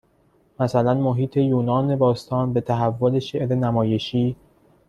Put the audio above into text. مثلاً محیط یونان باستان به تحول شعر نمایشی